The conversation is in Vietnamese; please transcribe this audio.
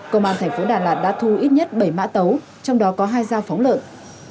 công an thành phố đà lạt đã thu ít nhất bảy mã tấu trong đó có hai dao phóng lợn